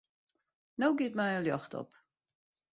No giet my in ljocht op.